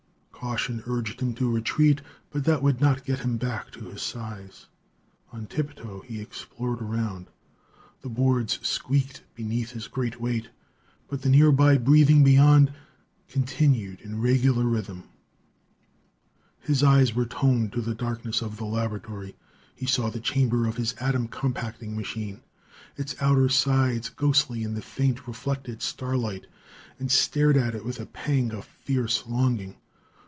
Caution urged him to retreat; but that would not get him back to his size. On tip toe, he explored around. The boards squeaked beneath his great weight, but the nearby breathing beyond continued in regular rhythm. His eyes were toned to the darkness of the laboratory; he saw the chamber of his atom compacting machine, its outer sides ghostly in the faint, reflected starlight, and stared at it with a pang of fierce longing.